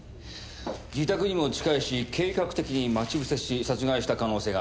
自宅にも近いし計画的に待ち伏せし殺害した可能性があるな。